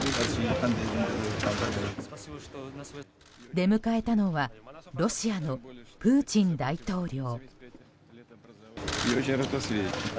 出迎えたのはロシアのプーチン大統領。